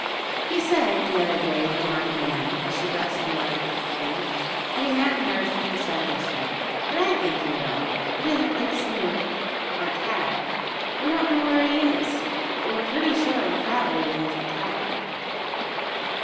"He said, the other day," remarked Nan, as she got some water for Freddie, "that he hadn't heard from the circus yet. But I think he will. It isn't like Snoop, our cat. We don't know where he is, but we're pretty sure the fat lady has the cup."